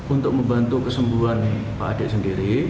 untuk membantu kesembuhan pak adik sendiri